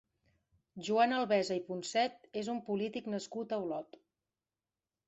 Joan Albesa i Poncet és un polític nascut a Olot.